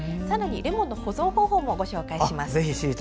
さらに、レモンの保存方法もご紹介します。